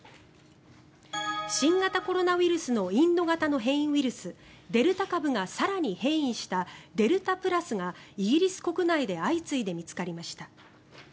新型コロナウイルスのインド型の変異ウイルスデルタ株が更に変異したデルタプラスがイギリス国内で相次いで見つかりました。